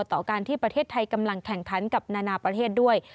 ต่อการที่ประเทศไทยกำลังแข่งขันกับนานาประเทศด้วย